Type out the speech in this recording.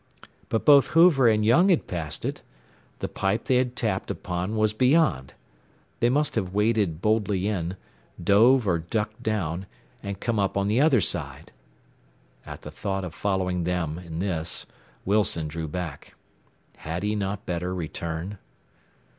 But both Hoover and Young had passed it! The pipe they had tapped upon was beyond. They must have waded boldly in, dove or ducked down, and come up on the other side. At the thought of following them in this Wilson drew back. Had he not better return?